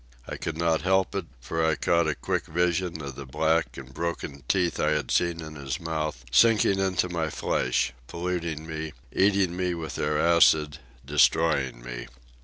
I could not help it; for I caught a quick vision of the black and broken teeth I had seen in his mouth sinking into my flesh, polluting me, eating me with their acid, destroying me.